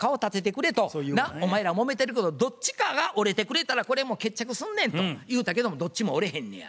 「お前らもめてるけどどっちかが折れてくれたらこれもう決着すんねん」と言うたけどもどっちも折れへんねや。